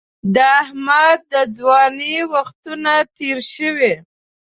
د احمد د ځوانۍ وختونه تېر شوي.